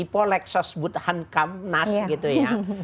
ipolexos buddhan kam nas gitu ya